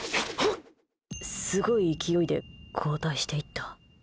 すごい勢いで後退していった。